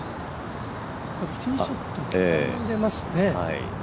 ティーショット、刻んでいますね。